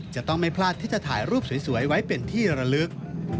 จะต้องไม่พลาดที่จะถ่ายรูปสวยไว้เป็นที่ระลึก